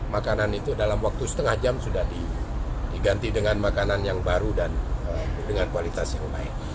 makanan itu dalam waktu setengah jam sudah diganti dengan makanan yang baru dan dengan kualitas yang baik